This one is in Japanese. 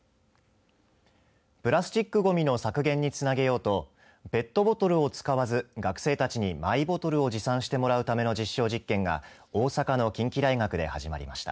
プラスチックごみの削減につなげようとペットボトルを使わず学生たちにマイボトルを持参してもらうための実証実験が大阪の近畿大学で始まりました。